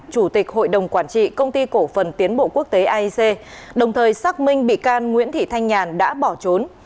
chủ tịch hội đồng quản trị công ty cổ phần tiến bộ quốc tế aic đồng thời xác minh bị can nguyễn thị thanh nhàn đã bỏ trốn